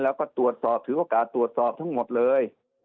แล้วก็ถือโอกาสตรวจสอบทั้งหมดเลย